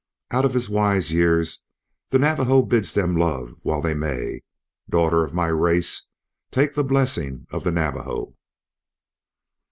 Out of his wise years the Navajo bids them love while they may. Daughter of my race, take the blessing of the Navajo."